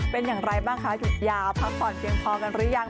เป็นอย่างไรบ้างคะหยุดยาวพักผ่อนเพียงพอกันหรือยัง